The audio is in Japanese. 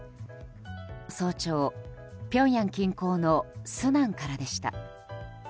早朝、ピョンヤン近郊のスナンからでした。